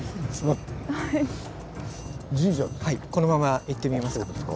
このまま行ってみますか。